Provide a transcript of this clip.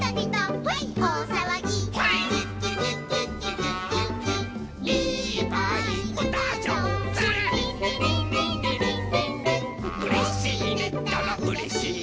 「うれしいねったらうれしいよ」